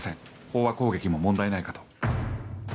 飽和攻撃も問題ないかと。